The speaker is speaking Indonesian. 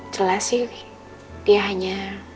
jelas sih dia hanya